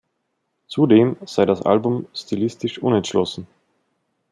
Zudem sei das Album stilistisch unentschlossen.